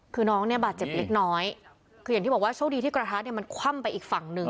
คือน้องเนี่ยบาดเจ็บเล็กน้อยคืออย่างที่บอกว่าโชคดีที่กระทะเนี่ยมันคว่ำไปอีกฝั่งหนึ่ง